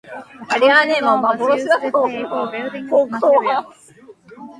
The housing loan was used to pay for building materials.